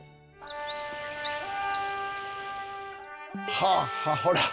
はあほら！